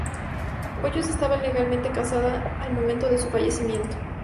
Hoyos estaba legalmente casada al momento de su fallecimiento.